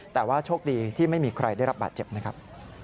แต่ว่าโชคดีที่ไม่มีใครได้รับบาดเจ็บนะครับ